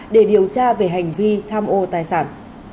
để điều tra về hành vi tham ô tài sản